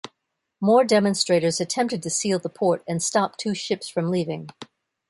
More demonstrators attempted to seal the port and stop two ships from leaving.